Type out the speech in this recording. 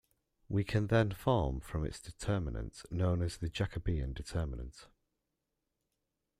We can then form its determinant, known as the Jacobian determinant.